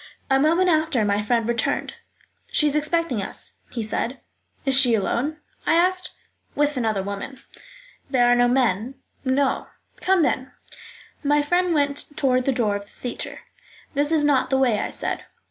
A moment after my friend returned. "She is expecting us," he said. "Is she alone?" I asked. "With another woman." "There are no men?" "No." "Come, then." My friend went toward the door of the theatre. "That is not the way," I said.